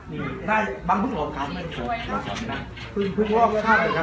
นี่น่ะบางเพิ่งหลอกขาดพึ่งพึ่งหลอกขาดไปครับเพราะว่า